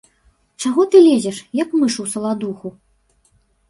Чаго ты лезеш, як мыш у саладуху?